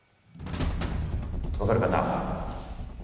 分かる方？